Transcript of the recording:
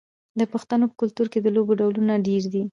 د پښتنو په کلتور کې د لوبو ډولونه ډیر دي.